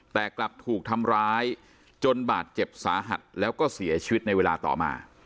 แต่กลับถูกทำร้ายจนบาดเจ็บสาหัสแล้วก็เสียชีวิตในเวลาต่อมา